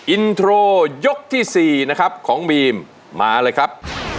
อินโทรยกที่๔ของบีมมาเลยครับ